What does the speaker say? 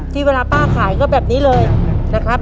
ที่เวลาป้าขายก็แบบนี้เลยนะครับ